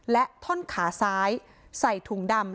และท่อนขาซ้ายใส่ถุงดำ